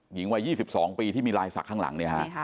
หญิงวัย๒๒ปีที่มีลายศักดิ์ข้างหลัง